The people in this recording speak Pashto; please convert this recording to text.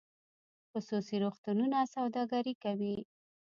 خصوصي روغتونونه سوداګري کوي